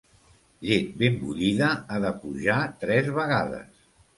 Llet ben bullida ha de pujar tres vegades.